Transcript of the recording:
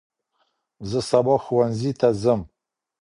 زه سباه ښوونځي ته ځم.